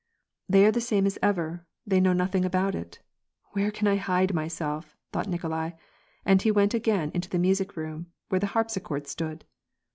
" They are the same as ever. They know nothing about it. Where can I hide myself ?" thought Nikolai, and he went again into the music room where the harpsichord stood.